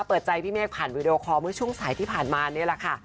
เปิดใจพี่เมฆผ่านวีดีโอคอลเมื่อช่วงสายที่ผ่านมานี่แหละค่ะ